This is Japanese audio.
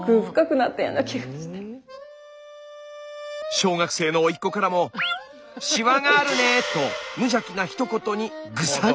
小学生のおいっ子からもと無邪気なひと言にグサリ。